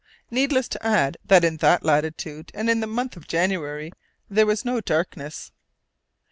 Needless to add that in that latitude and in the month of January there was no darkness.